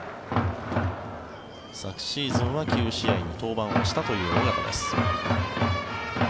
昨シーズンは９試合に登板をしたという尾形です。